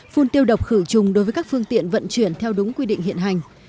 phun tiêu độc khử trùng đối với các phương tiện vận chuyển theo đúng quy định hiện hành